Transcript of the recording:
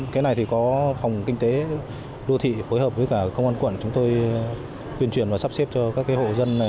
cái này thì có phòng kinh tế đô thị phối hợp với cả công an quận chúng tôi tuyên truyền và sắp xếp cho các hộ dân